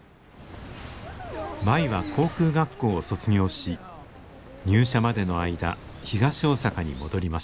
舞は航空学校を卒業し入社までの間東大阪に戻りました。